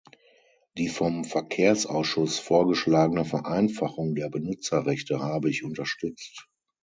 Die vom Verkehrsausschuss vorgeschlagene Vereinfachung der Benutzerrechte habe ich unterstützt.